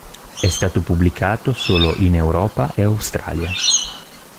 È stato pubblicato solo in Europa e Australia.